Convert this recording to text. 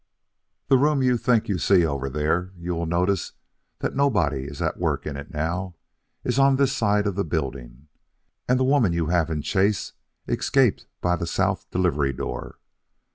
"The room you think you see over there you will notice that nobody is at work in it now is on this side of the building, and the woman you have in chase escaped by the south delivery door.